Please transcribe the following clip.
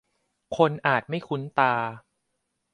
คนอาจไม่คุ้นตา